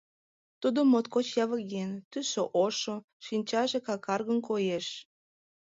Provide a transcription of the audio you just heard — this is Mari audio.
Тудо моткоч явыген, тӱсшӧ ошо, шинчаже какаргын коеш.